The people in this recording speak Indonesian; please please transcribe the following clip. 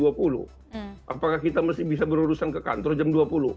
apakah kita masih bisa berurusan ke kantor jam dua puluh